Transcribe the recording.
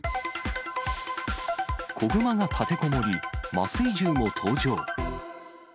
子グマが立てこもり、麻酔銃も登場。